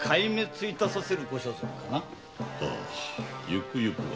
はぁゆくゆくは。